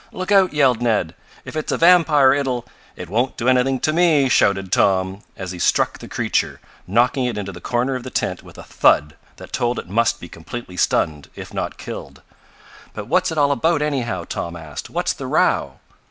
"Look out!" yelled Ned. "If it's a vampire it'll " "It won't do anything to me!" shouted Tom, as he struck the creature, knocking it into the corner of the tent with a thud that told it must be completely stunned, if not killed. "But what's it all about, anyhow?" Tom asked. "What's the row?"